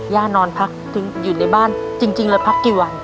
นอนพักอยู่ในบ้านจริงเลยพักกี่วัน